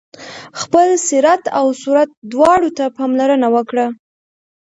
خپل سیرت او صورت دواړو ته پاملرنه وکړه.